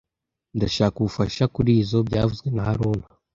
Ndashaka ubufasha kurizoi byavuzwe na haruna